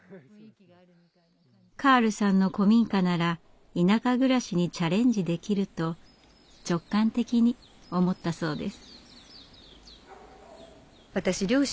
カールさんの古民家なら田舎暮らしにチャレンジできると直感的に思ったそうです。